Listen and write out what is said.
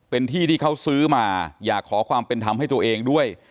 เป็นที่ที่เขาซื้อมาอยากขอความเป็นธรรมให้ตัวเองด้วย